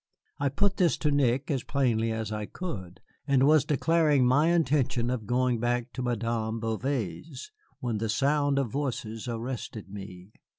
I put this to Nick as plainly as I could, and was declaring my intention of going back to Madame Bouvet's, when the sound of voices arrested me.